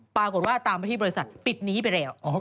ปรากฏว่าตามไปที่บริษัทปิดนี้ไปแล้ว